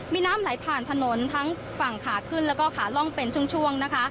มีน้ำไหลผ่านถนนทั้งฝั่งขาขึ้นแล้วก็ขาล่องเป็นช่วงนะคะ